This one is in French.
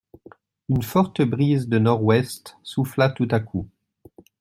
Une forte brise de nordouest souffla tout à coup.